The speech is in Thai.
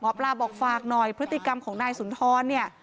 หมอปลาบอกฝากหน่อยพฤติกรรมของนายสุนทรเนี่ย